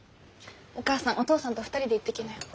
お母さんお父さんと２人で行ってきなよ。